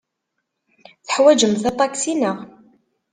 Teḥwajemt aṭaksi, naɣ?